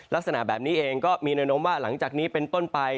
ลักษณะแบบนี้เองก็มีแนวโน้มว่าหลังจากนี้เป็นต้นไป